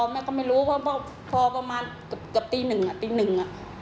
แม่ก็ไม่รู้ว่าปลอก็มากับตีหนึ่ง